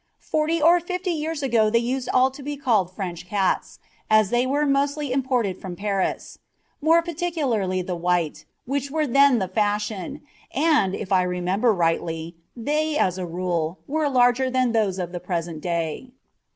Forty or fifty years ago they used all to be called French cats, as they were mostly imported from Paris more particularly the white, which were then the fashion, and, if I remember rightly, they, as a rule, were larger than those of the present day.